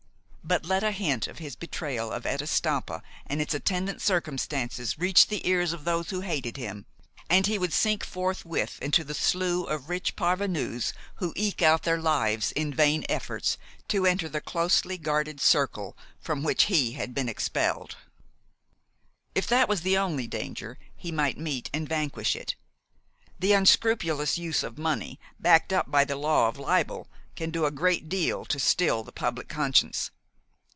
But let a hint of his betrayal of Etta Stampa and its attendant circumstances reach the ears of those who hated him, and he would sink forthwith into the slough of rich parvenus who eke out their lives in vain efforts to enter the closely guarded circle from which he had been expelled. If that was the only danger, he might meet and vanquish it. The unscrupulous use of money, backed up by the law of libel, can do a great deal to still the public conscience.